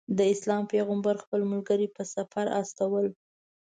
د اسلام پیغمبر خپل ملګري په سفر استول.